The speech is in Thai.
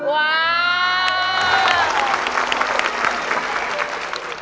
ว้าว